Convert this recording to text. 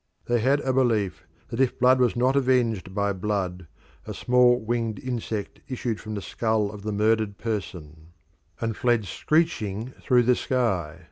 They had a belief that if blood was not avenged by blood a small winged insect issued from the skull of the murdered person and fled screeching through the sky.